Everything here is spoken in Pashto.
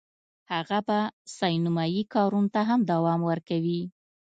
هغه به سینمایي کارونو ته هم دوام ورکوي